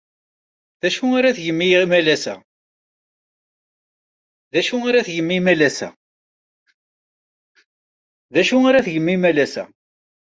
D acu ara tgem imalas-a?